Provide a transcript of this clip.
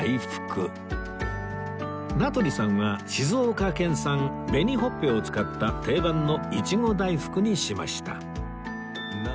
名取さんは静岡県産紅ほっぺを使った定番のいちご大福にしました